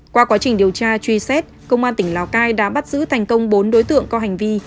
qua quá trình điều tra truy xét công an tỉnh lào cai đã bắt giữ thành công bốn đối tượng có hành vi